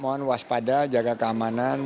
mohon waspada jaga keamanan